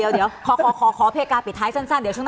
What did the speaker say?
เดี๋ยวขอเพลกการ์ปิดท้ายสั้นเดี๋ยวช่างหน้ากลับมา